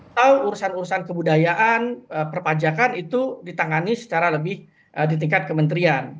atau urusan urusan kebudayaan perpajakan itu ditangani secara lebih di tingkat kementerian